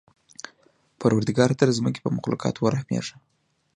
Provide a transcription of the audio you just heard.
پروردګاره! ته د ځمکې په مخلوقاتو ورحمېږه.